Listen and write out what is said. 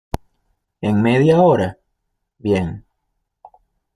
¿ en media hora? bien.